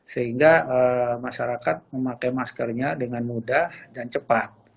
sehingga masyarakat memakai maskernya dengan mudah dan cepat